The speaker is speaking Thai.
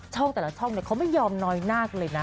ช่องแต่ละช่องเนี่ยเค้าไม่ยอมนอยหน้ากันเลยนะ